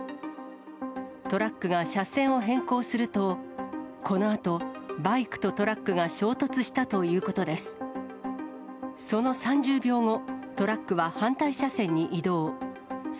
トラックが車線を変更すると、このあと、バイクとトラックが衝突したということです。